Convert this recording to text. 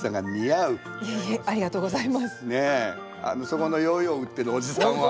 そこのヨーヨー売ってるおじさんは？